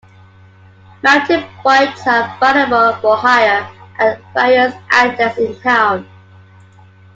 Mountain bikes are available for hire at various outlets in town.